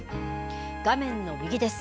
画面の右です。